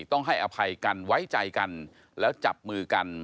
ต้องให้อภัยกันไว้ใจกันแล้วจับมือกัน